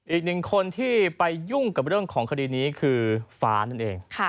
อีกหนึ่งคนที่ไปยุ่งกับเรื่องของคดีนี้คือฟ้านั่นเอง